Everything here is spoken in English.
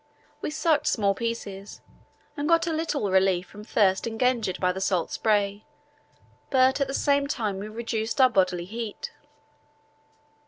We sucked small pieces and got a little relief from thirst engendered by the salt spray, but at the same time we reduced our bodily heat.